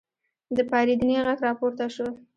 د پارېدنې غږ راپورته شو.